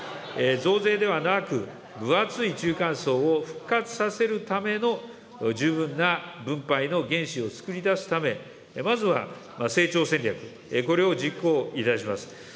増税ではなく、分厚い中間層を復活させるための、十分な分配の原資をつくり出すため、まずは成長戦略、これを実行いたします。